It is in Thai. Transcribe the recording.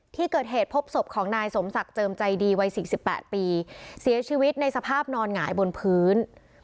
ที่เกิดเหตุพบศพของนายสมศักดิ์เจิมใจดีวัย๔๘ปีเสียชีวิตในสภาพนอนหงายบนพื้น